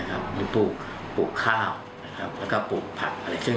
หรือปลูกข้าวแล้วก็ปลูกผักอะไรซึ่ง